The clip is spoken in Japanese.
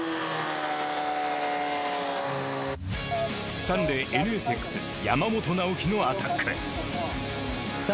スタンレーＮＳＸ山本尚貴のアタックさあ